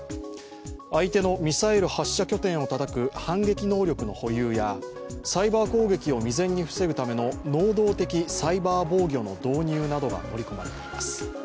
相手のミサイル発射拠点をたたく反撃能力の保有やサイバー攻撃を未然に防ぐための能動的サイバー防御の導入などが盛り込まれています。